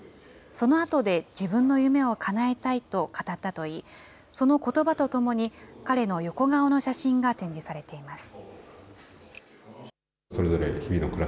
そのあとで自分の夢をかなえたいと語ったといい、そのことばとともに、彼の横顔の写真が展示されています。